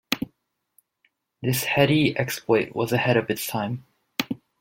This heady exploit was ahead of its time.